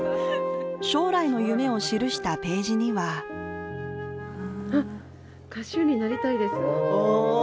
将来の夢を記したページにはあっ、「歌手になりたいです」。